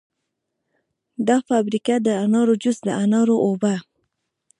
دا فابریکه د انارو جوس، د انارو اوبه